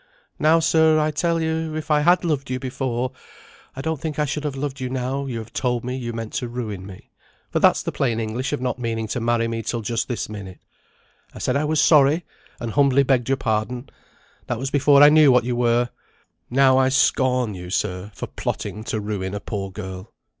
Now, sir, I tell you, if I had loved you before, I don't think I should have loved you now you have told me you meant to ruin me; for that's the plain English of not meaning to marry me till just this minute. I said I was sorry, and humbly begged your pardon; that was before I knew what you were. Now I scorn you, sir, for plotting to ruin a poor girl.